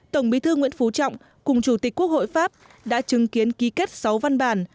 tổng bí thư nguyễn phú trọng cùng chủ tịch quốc hội pháp đã chứng kiến ký kết sáu văn bản